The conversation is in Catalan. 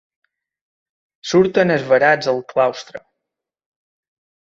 Surten esverats al claustre.